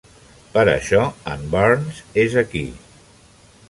Per això en Burns és aquí.